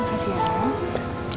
terima kasih ya pak